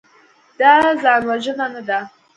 دا ځانوژنه نه ده.